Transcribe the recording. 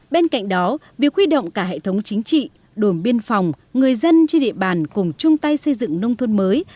bên cạnh đó việc huy động cả hệ thống chính trị đồn biên phòng người dân trên địa bàn cùng chung tay xây dựng nông thôn mới